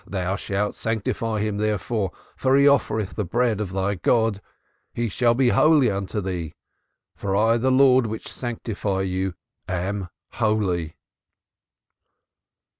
Thou shalt sanctify him, therefore; for he offereth the bread of thy God; he shall be holy unto thee, for I the Lord which sanctify you am holy.